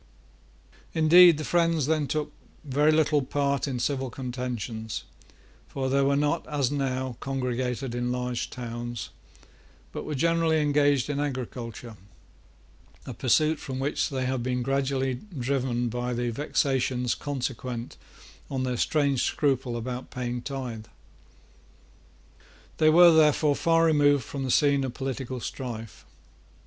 Indeed, the friends then took very little part in civil contentions; for they were not, as now, congregated in large towns, but were generally engaged in agriculture, a pursuit from which they have been gradually driven by the vexations consequent on their strange scruple about paying tithe. They were, therefore, far removed from the scene of political strife.